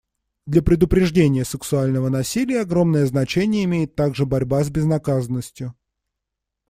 Для предупреждения сексуального насилия огромное значение имеет также борьба с безнаказанностью.